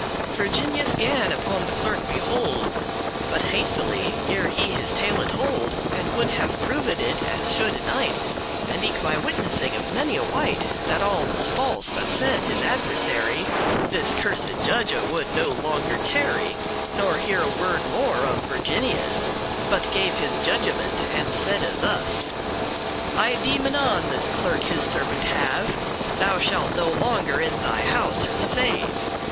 Virginius gan upon the clerk behold; But hastily, ere he his tale told, And would have proved it, as should a knight, And eke by witnessing of many a wight, That all was false that said his adversary, This cursed judge would no longer tarry, Nor hear a word more of Virginius, But gave his judgement, and saide thus: "I deem* anon this clerk his servant have; *pronounce, determine Thou shalt no longer in thy house her save.